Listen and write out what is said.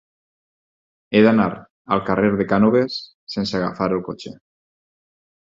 He d'anar al carrer de Cànoves sense agafar el cotxe.